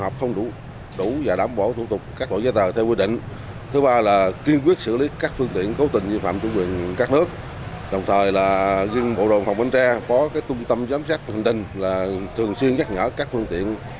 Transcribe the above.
phòng bến tre có cái tôn tâm giám sát hình tinh là thường xuyên nhắc nhở các phương tiện